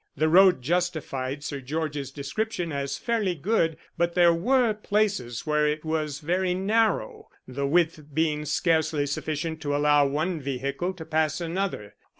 The road justified Sir George's description as fairly good, but there were places where it was very narrow, the width being scarcely sufficient to allow one vehicle to pass another.